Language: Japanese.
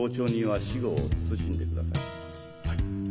はい。